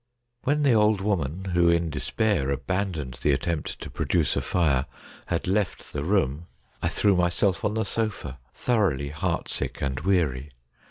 When the old woman, who in despair abandoned the attempt to produce a fire, had left the room, I threw myself on the sofa, thoroughly heart sick and weary.